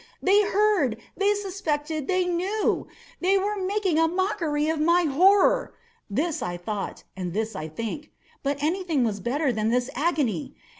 They heard!—they suspected!—they knew!—they were making a mockery of my horror!—this I thought, and this I think. But anything was better than this agony!